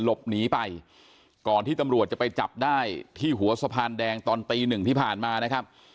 หลบหนีไปก่อนที่ตำรวจจะไปจับได้ที่หัวสะพานแดงตอนตีหนึ่งที่ผ่านมานะครับ